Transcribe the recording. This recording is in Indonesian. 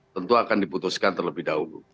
tentu akan diputuskan terlebih dahulu